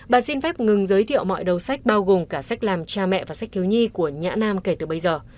bà xin phép ngừng giới thiệu mọi đầu sách bao gồm cả sách làm cha mẹ và sách thiếu nhi của nhã nam kể từ bây giờ